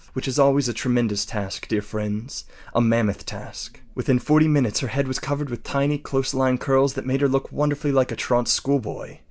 Which is always a tremendous task, dear friends—a mammoth task. Within forty minutes her head was covered with tiny, close lying curls that made her look wonderfully like a truant schoolboy.